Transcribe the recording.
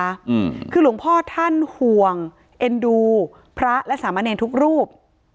อืมคือหลวงพ่อท่านห่วงเอ็นดูพระและสามเณรทุกรูป